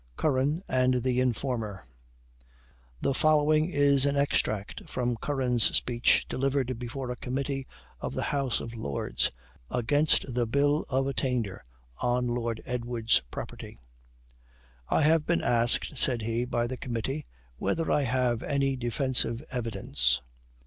CURRAN AND THE INFORMER. The following is an extract from Curran's speech delivered before a committee of the house of Lords, against the Bill of attainder on Lord Edward's property: "I have been asked," said he, "by the committee, whether I have any defensive evidence?